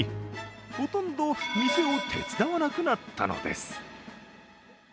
ほとんど店を手伝わなくなったのです。